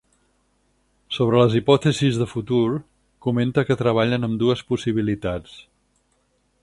Sobre les hipòtesis de futur, comenta que treballen amb dues possibilitats.